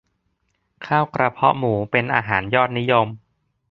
ข้าวกระเพาะหมูเป็นอาหารยอดนิยม